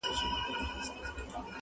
جهاني ستا چي یې په وینو کي شپېلۍ اودلې!!